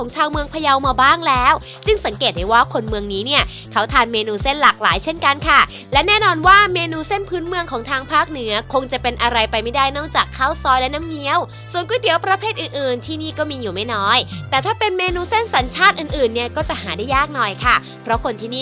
ชาวเมืองพยาวมาบ้างแล้วจึงสังเกตได้ว่าคนเมืองนี้เนี่ยเขาทานเมนูเส้นหลากหลายเช่นกันค่ะและแน่นอนว่าเมนูเส้นพื้นเมืองของทางภาคเหนือคงจะเป็นอะไรไปไม่ได้นอกจากข้าวซอยและน้ำเงี้ยวส่วนก๋วยเตี๋ยวประเภทอื่นอื่นที่นี่ก็มีอยู่ไม่น้อยแต่ถ้าเป็นเมนูเส้นสัญชาติอื่นอื่นเนี่ยก็จะหาได้ยากหน่อยค่ะเพราะคนที่นี่